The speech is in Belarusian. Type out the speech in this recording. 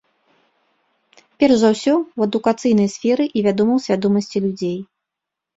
Перш за ўсё ў адукацыйнай сферы і, вядома, у свядомасці людзей.